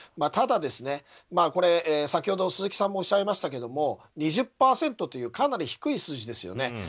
ただ、先ほど鈴木さんもおっしゃいましたけど２０％というかなり低い数字ですよね。